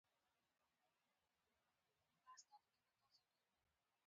مالې مينه دې راغلې وه.